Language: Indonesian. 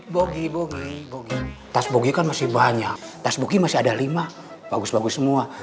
bogey bogey kan masih banyak tas bogey masih ada lima bagus bagus semua